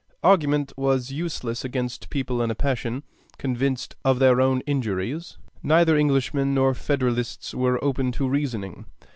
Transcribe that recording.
Argument was useless against people in a passion, convinced of their own injuries. Neither Englishmen nor Federalists were open to reasoning.